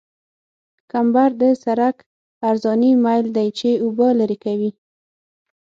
کمبر د سرک عرضاني میل دی چې اوبه لرې کوي